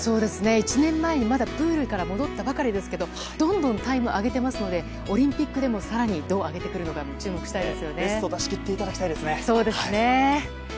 １年前は、まだプールに戻ったばかりですけどどんどんタイムを上げていますのでオリンピックでも更にどう上げてくるか注目していきたいですね。